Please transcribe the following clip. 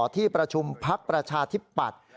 ที่ประชุมพลักษณ์ประชาธิบัติ